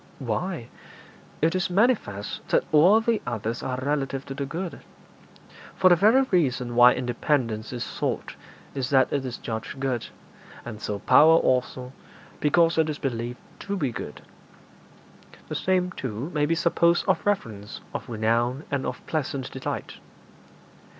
'Why, it is manifest that all the others are relative to the good. For the very reason why independence is sought is that it is judged good, and so power also, because it is believed to be good. The same, too, may be supposed of reverence, of renown, and of pleasant delight.